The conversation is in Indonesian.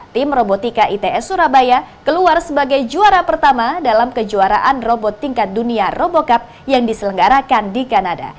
tim robotika its surabaya keluar sebagai juara pertama dalam kejuaraan robot tingkat dunia robocup yang diselenggarakan di kanada